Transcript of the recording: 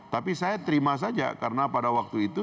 tapi saya terima saja karena pada waktu itu